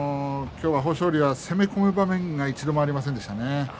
今日は豊昇龍は攻め込む場面が１つもありませんでしたね。